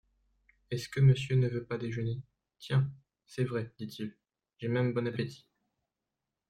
Est-ce que monsieur ne veut pas déjeuner ? Tiens, c'est vrai, dit-il, j'ai même bon appétit.